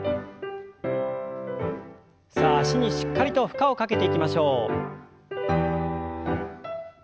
さあ脚にしっかりと負荷をかけていきましょう。